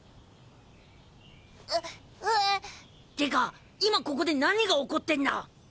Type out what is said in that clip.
てか今ここで何が起こってんだ？